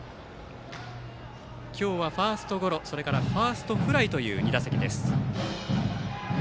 今日はファーストゴロとファーストフライという２打席。